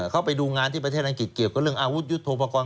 เขาไปดูงานที่ประเทศอังกฤษเกี่ยวกับเรื่องอาวุธยุทธโปรกรณ